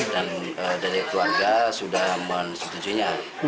dan dari keluarga sudah menyetujunya